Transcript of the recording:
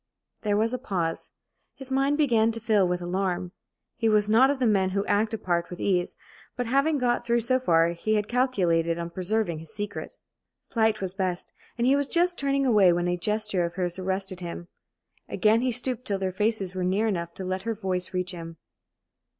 There was a pause. His mind began to fill with alarm. He was not of the men who act a part with ease; but, having got through so far, he had calculated on preserving his secret. Flight was best, and he was just turning away when a gesture of hers arrested him. Again he stooped till their faces were near enough to let her voice reach him.